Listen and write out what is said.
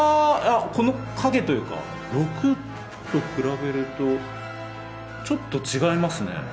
この影というか「６」と比べるとちょっと違いますね。